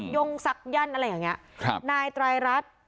ยงศักยันต์อะไรอย่างเงี้ยครับนายไตรรัฐ